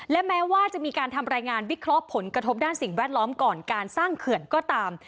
และแม้ว่าจะมีการทำรายงานวิเคราะห์ผลกระทบด้านสิ่งแวดล้อมก่อนการสร้างเขื่อนก็ตาม